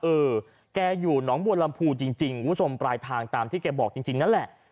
เออแกอยู่หนองบัวลำพูจริงคุณผู้ชมปลายทางตามที่แกบอกจริงนั่นแหละ